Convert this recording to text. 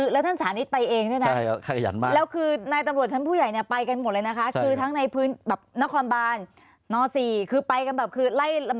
แล้วท่านสาริศไปเองด้วยนะแล้วคือนายตำรวจชั้นผู้ใหญ่ไปกันหมดเลยนะคะ